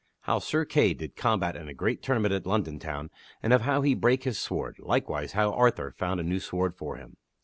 How Sir Kay did Combat in a Great Tournament at London Town and of How He Brake His Sword. Likewise, How Arthur Found a New Sword For Him.